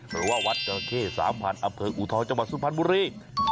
หรือว่าวัดจราเข้สามพันธุ์อำเภิกอุทธองจังหวัดสุพรรณบุรี